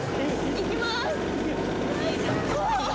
行きます。